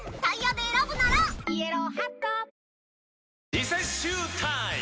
リセッシュータイム！